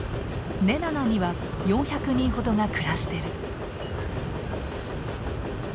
ネナナには４００人ほどが暮らしてる。